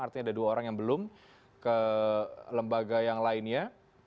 artinya ada dua orang yang belum ke lembaga yang lainnya